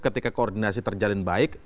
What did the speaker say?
ketika koordinasi terjadi baik